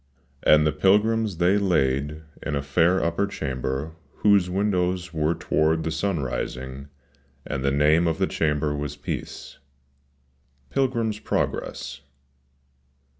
"cAnd the pilgrims they laid in a fair upper chamber Ivhose Windows Ivere toward the sun rising, and the name of the Chamber ivas Peace." — 'Pilgrim's Progress.